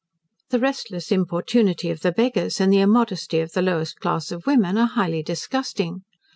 The restless importunity of the beggars, and the immodesty of the lowest class of women, are highly disgusting.